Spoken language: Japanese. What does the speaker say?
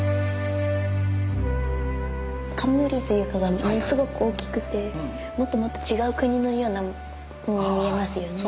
冠というかがものすごく大きくてもっともっと違う国のように見えますよね。